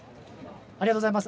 ありがとうございます。